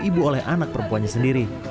ibu oleh anak perempuannya sendiri